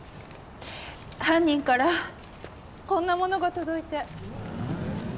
犯人からこんなものが届いて。